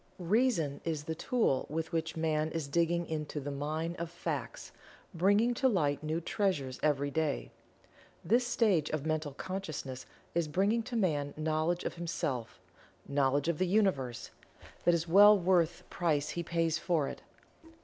Reason is the tool with which Man is digging into the mine of Facts, bringing to light new treasures every day. This stage of Mental Consciousness is bringing to Man knowledge of himself knowledge of the Universe that is well worth the price he pays for it.